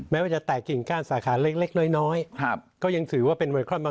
แม้ว่าจะแตกกิ่งก้านสาขาเล็กน้อยก็ยังถือว่าเป็นไมครอนมา